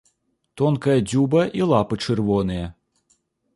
Тонкая дзюба і лапы чырвоныя.